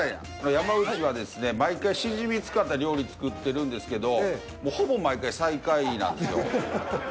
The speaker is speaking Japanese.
山内はですね毎回シジミ使った料理作ってるんですけどほぼ毎回最下位なんですよ。